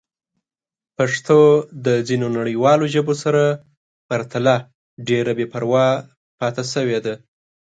پښتو د ځینو نړیوالو ژبو سره پرتله ډېره بې پروا پاتې شوې ده.